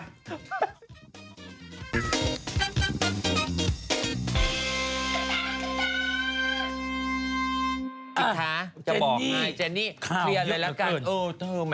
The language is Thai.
ติดท้าจะบอกไงเจนี่เคลียรอะไรละกันโอ้เธอแหม